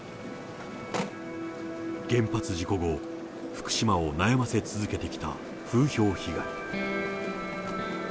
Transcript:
原発事故後、福島を悩ませ続けてきた風評被害。